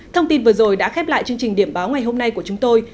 thông tin vừa rồi đã khép lại chương trình điểm báo ngày hôm nay của chúng tôi